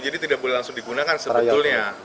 jadi tidak boleh langsung digunakan sebetulnya